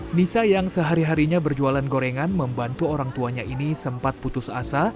nisa yang sehari harinya berjualan gorengan membantu orang tuanya ini sempat putus asa